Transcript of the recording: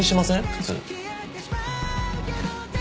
普通。